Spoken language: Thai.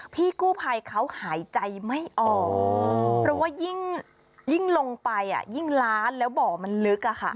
พี่กู้ภัยเขาหายใจไม่ออกเพราะว่ายิ่งลงไปยิ่งล้านแล้วบ่อมันลึก